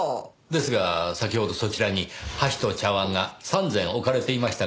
ですが先ほどそちらに箸と茶碗が３膳置かれていましたが。